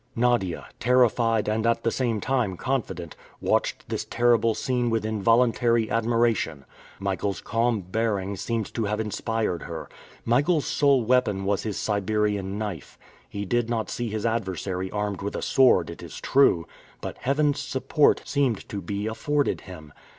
Nadia, terrified and at the same time confident, watched this terrible scene with involuntary admiration. Michael's calm bearing seemed to have inspired her. Michael's sole weapon was his Siberian knife. He did not see his adversary armed with a sword, it is true; but Heaven's support seemed to be afforded him.